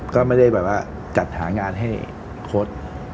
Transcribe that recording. ก็ไม่ได้แบบว่าจัดหางานให้โค้ด